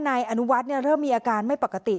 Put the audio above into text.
นายอนุวัฒน์เริ่มมีอาการไม่ปกติ